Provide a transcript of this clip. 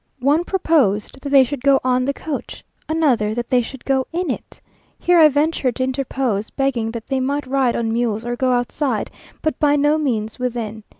One proposed that they should go on the coach, another that they should go in it. Here I ventured to interpose, begging that they might ride on mules or go outside, but by no means within.